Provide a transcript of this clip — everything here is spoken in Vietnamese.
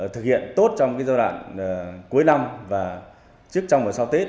thực hiện tốt trong giai đoạn cuối năm và trước trong và sau tết